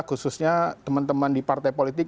khususnya teman teman di partai politik